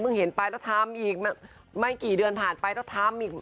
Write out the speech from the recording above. เห็นไปแล้วทำอีกไม่กี่เดือนผ่านไปแล้วทำอีก